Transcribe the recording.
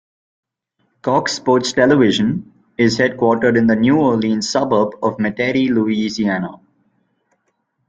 Cox Sports Television is headquartered in the New Orleans suburb of Metairie, Louisiana.